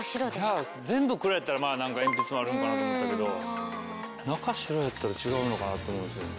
じゃあ全部黒やったらまあ何かえんぴつもあるんかなと思ったけど中白やったら違うのかなと思うんですよね。